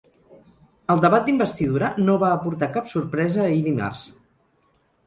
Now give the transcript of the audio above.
El debat d’investidura no va aportar cap sorpresa ahir dimarts.